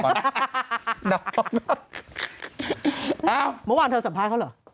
เอ้าเมื่อวานเธอสัมภัยเขาเหรอ